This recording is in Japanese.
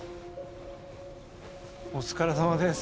お疲れさまです。